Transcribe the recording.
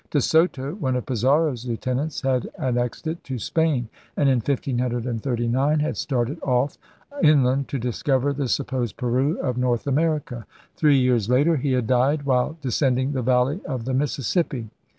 De Soto, one of Pizarro's lieutenants, had annexed it to Spain and, in 1539, had started off inland to discover the supposed Peru of North America. Three years later he had died while descending the valley of the Mississippi.